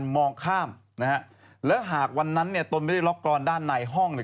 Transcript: มองข้ามนะฮะแล้วหากวันนั้นเนี่ยตนไม่ได้ล็อกกรอนด้านในห้องเนี่ย